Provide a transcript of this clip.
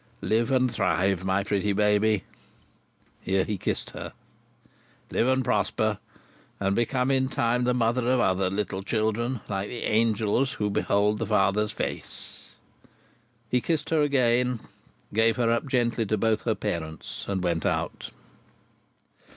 Live and thrive, my pretty baby!" Here he kissed her. "Live and prosper, and become in time the mother of other little children, like the Angels who behold The Father's face!" He kissed her again, gave her up gently to both her parents, and went out.